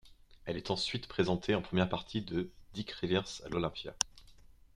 Elle est ensuite présentée en première partie de Dick Rivers à l'Olympia.